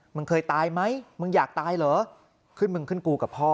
มึงเคยตายไหมมึงอยากตายเหรอขึ้นมึงขึ้นกูกับพ่อ